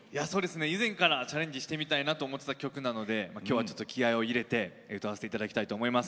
以前からチャレンジしてみたい曲だったので今日は気合いを入れて歌わせていただきたいと思います。